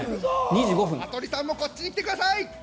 羽鳥さんもこっちに来てください！